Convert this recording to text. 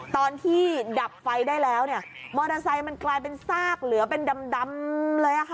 ตอนที่ดับไฟได้แล้วเนี่ยมอเตอร์ไซค์มันกลายเป็นซากเหลือเป็นดำเลยค่ะ